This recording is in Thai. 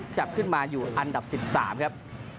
จับขึ้นมาอยู่อันดับ๑๓ครับ